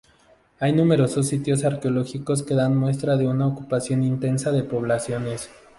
Hay numerosos sitios arqueológicos que dan muestra de una ocupación intensa de poblaciones.